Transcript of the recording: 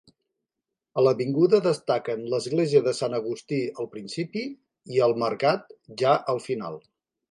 A l'avinguda destaquen l'església de Sant Agustí al principi i el Mercat ja al final.